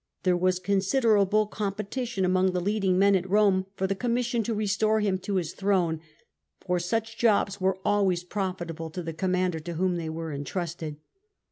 There was considerable competition among the leading men at Rome for the com.aission to restore him to his throne, for such jobs were always profitable to the com mander to whom they were intrusted.